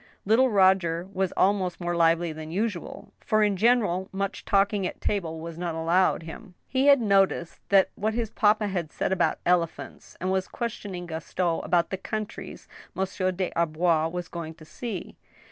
Little Roger was also more lively than usual, for in general much talking at table was not allowed him. He had noticed what his papa had said about elephants, and was questioning Gaston about the countries Monsieur des Arbois was going to see.